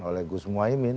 oleh gus muwaimin